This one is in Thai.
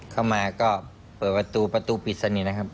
เข้ามาก็เปิดประตูประตูปิดสนิทนะครับ